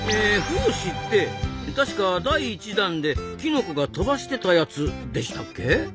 胞子ってたしか第１弾できのこが飛ばしてたやつでしたっけ？